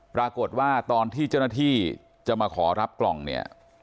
ตอนที่เจ้าหน้าที่จะมาขอรับกล่องเนี่ย